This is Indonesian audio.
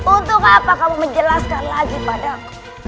untuk apa kamu menjelaskan lagi padaku